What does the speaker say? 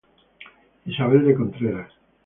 Isabel de Contreras.